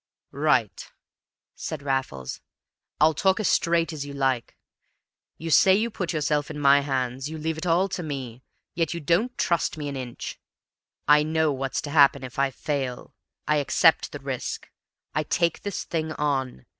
"Right," said Raffles. "I'll talk as straight as you like. You say you put yourself in my hands you leave it all to me yet you don't trust me an inch! I know what's to happen if I fail. I accept the risk. I take this thing on.